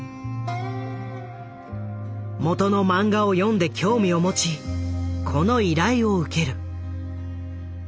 もとの漫画を読んで興味を持ちこの依頼を受ける。